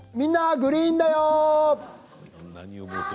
グリーンだよ」